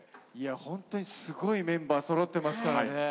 ホントにすごいメンバー揃ってますからね。